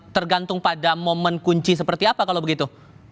tergantung pada momen kunci seperti apa kalau begitu